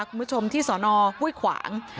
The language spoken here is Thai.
คุณผู้ชมที่สอนอห้วยขวาง